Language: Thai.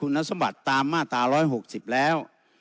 คุณศาสตร์ตามมาตรา๑๖๐แล้ว